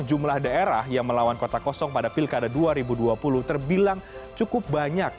jumlah daerah yang melawan kota kosong pada pilkada dua ribu dua puluh terbilang cukup banyak